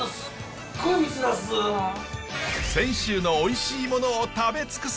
泉州のおいしいものを食べ尽くす！